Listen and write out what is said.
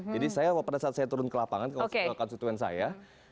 jadi pada saat saya turun ke lapangan konsituen saya